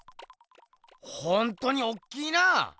ほんとにおっきいな！